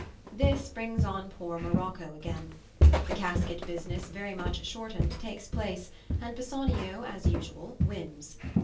This brings on poor Morocco again. The casket business, very much shortened, takes place, and Bassanio, as usual, wins.